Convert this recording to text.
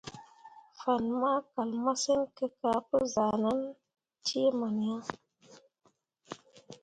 Fan ma kal masǝŋ kǝ ka pǝ zah ʼnan cee man ya.